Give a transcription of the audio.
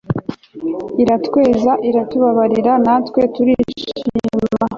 iratweza iratubabarira natwe turishima